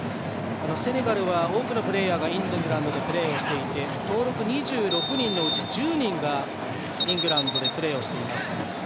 セネガルは、多くのプレーヤーがイングランドでプレーしていて登録２６人のうち１０人がイングランドでプレーしています。